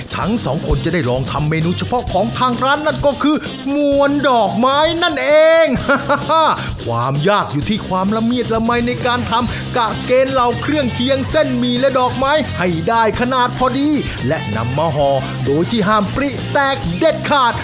ทั้งสองคนจะได้ลองทำเมนูเฉพาะของทางร้านนั่นก็คือมวลดอกไม้นั่นเองความยากอยู่ที่ความละเมียดละมัยในการทำกะเกณฑ์เหล่าเครื่องเคียงเส้นหมี่และดอกไม้ให้ได้ขนาดพอดีและนำมาห่อโดยที่ห้ามปริแตกเด็ดขาด